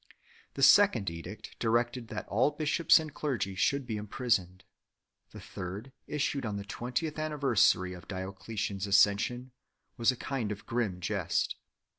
The second edict 2 directed that all bishops and clergy should be imprisoned. The third 3 , issued on the twentieth anniversary (vicennalia) of Diocletian s accession, was a kind of grim jest.